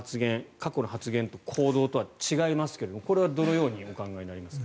過去の発言、行動とは違いますがこれはどのようにお考えになりますか？